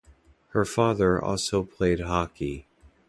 Her father also played hockey.